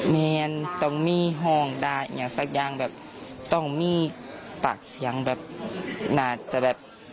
เมียนต้องมีห้องได้อย่างสักอย่างแบบต้องมีปากเสียงแบบน่าจะแบบ